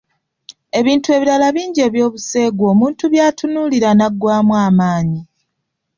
Ebitu ebirala bingi eby'obuseegu omuntu by'atunuulira naggwaamu amaanyi.